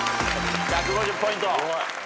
１５０ポイント。